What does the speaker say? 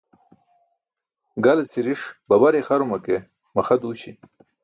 Gale cʰiriṣ babar ixaruma ke maxa duuśi.